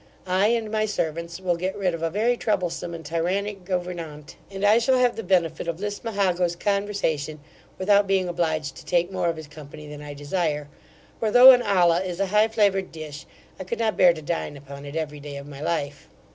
I, and my servants, will get rid of a very troublesome and tyrannic gouvernante; and I shall have the benefit of Lismahago's conversation, without being obliged to take more of his company than I desire; for though an olla is a high flavoured dish, I could not bear to dine upon it every day of my life.